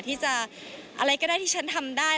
ที่จะอะไรก็ได้ที่ฉันทำได้